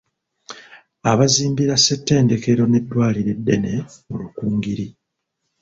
Abazimbira ssettendekero n'eddwaliro eddene mu Rukungiri.